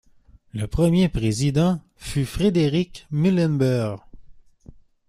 Le premier président fut Frederick Muhlenberg.